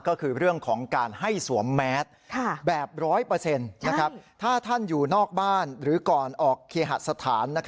ก็คือเรื่องของการให้สวมแมสแบบ๑๐๐ถ้าท่านอยู่นอกบ้านหรือก่อนออกเคหสถาน